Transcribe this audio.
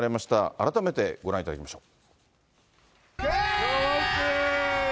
改めてご覧いただきましょう。